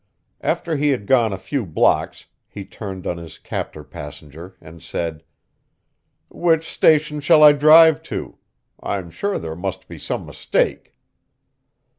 After he had gone a few blocks he turned on his captor passenger and said: "Which station shall I drive to? I'm sure there must be some mistake."